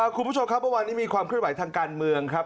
คุณผู้ชมครับว่าวันนี้มีความขึ้นไหวทางการเมืองครับ